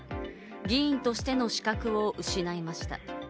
議員としての資格を失いました。